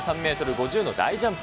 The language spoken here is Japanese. ５０の大ジャンプ。